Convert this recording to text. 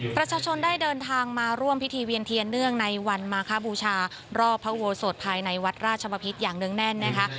ประชาชนได้เดินทางมาร่วมพิธีเวียนเทียนเนื่องในวันมาคบูชารอบพระอุโบสถภายในวัดราชบพิษอย่างเนื่องแน่นนะคะ